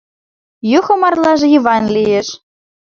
Юхо марлаже Йыван лиеш.